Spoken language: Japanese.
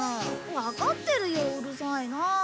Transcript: わかってるようるさいなあ。